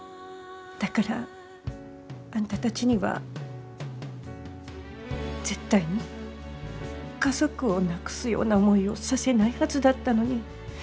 だからあんたたちには絶対に家族を亡くすような思いをさせないはずだったのに。